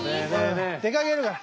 出かけるから。